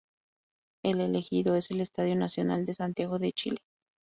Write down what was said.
El elegido es el Estadio Nacional de Santiago de Chile.